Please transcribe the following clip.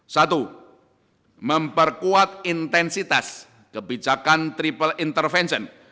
satu memperkuat intensitas kebijakan triple intervention